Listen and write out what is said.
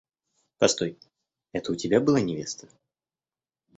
Постой, это у тебя была невеста?